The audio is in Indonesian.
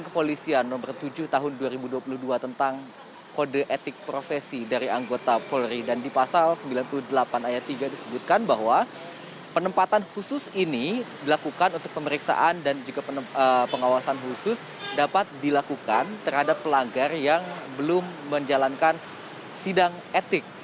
kepolisian nomor tujuh tahun dua ribu dua puluh dua tentang kode etik profesi dari anggota polri dan di pasal sembilan puluh delapan ayat tiga disebutkan bahwa penempatan khusus ini dilakukan untuk pemeriksaan dan juga pengawasan khusus dapat dilakukan terhadap pelanggar yang belum menjalankan sidang etik